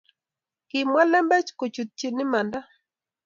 Kemwa lembech ko chutchin imanda